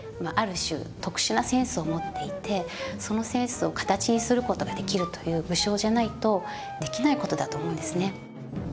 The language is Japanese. ある種特殊なセンスを持っていてそのセンスを形にする事ができるという武将じゃないとできない事だと思うんですね。